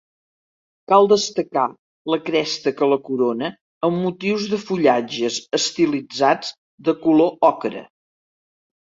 Cal destacar la cresta que la corona amb motius de fullatges estilitzats de color ocre.